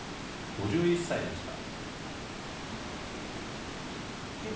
５１歳でした。